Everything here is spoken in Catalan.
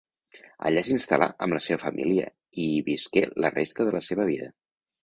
Allà s'instal·là amb la seva família i hi visqué la resta de la seva vida.